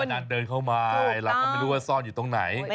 อาจารย์เดินเข้ามาหลับแล้วไม่รู้ว่าซ่อนอยู่ตรงไหน